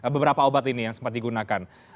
beberapa obat ini yang sempat digunakan